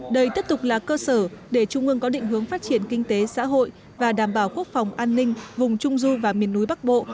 đây tiếp tục là cơ sở để trung ương có định hướng phát triển kinh tế xã hội và đảm bảo quốc phòng an ninh vùng trung du và miền núi bắc bộ